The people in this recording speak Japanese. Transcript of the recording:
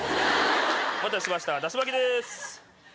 お待たせしましたダシ巻きです。